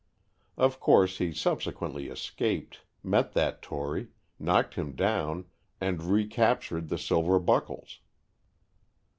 Of course he subsequently escaped, met that Tory, knocked him down, and recaptured the silver buckles.